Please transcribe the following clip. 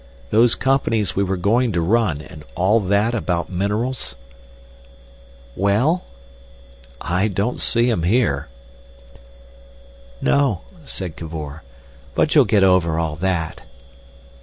Those companies we were going to run, and all that about minerals?" "Well?" "I don't see 'em here." "No," said Cavor; "but you'll get over all that."